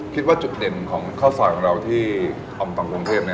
คิดว่าจุดเด่นของข้าวซอยของเราที่ออมตังกรุงเทพ